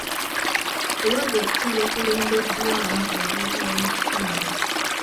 Pulojekiti yakulembeddwamu abavubuka b'omu kitundu.